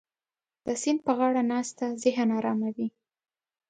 د سیند په غاړه ناسته ذهن اراموي.